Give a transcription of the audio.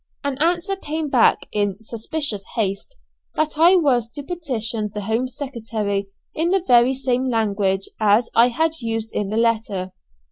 An answer came back, in suspicious haste, that I was to petition the Home Secretary in the very same language as I had used in the letter.